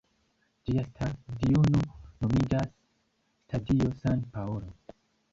Ĝia stadiono nomiĝas "Stadio San Paolo".